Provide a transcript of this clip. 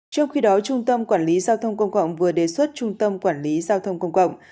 trong khi đó trung tâm quản lý giao thông công cộng vừa đề xuất trung tâm quản lý giao thông công cộng